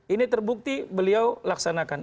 ini terbukti beliau laksanakan